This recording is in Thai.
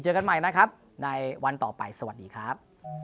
กันใหม่นะครับในวันต่อไปสวัสดีครับ